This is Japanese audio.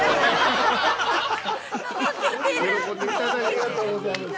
◆ありがとうございます。